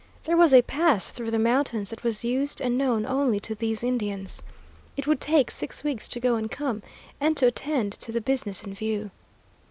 There was a pass through the mountains that was used and known only to these Indians. It would take six weeks to go and come, and to attend to the business in view.